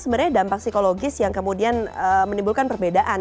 sebenarnya dampak psikologis yang kemudian menimbulkan perbedaan